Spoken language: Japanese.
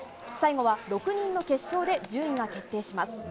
最後は６人の決勝で順位が決定します。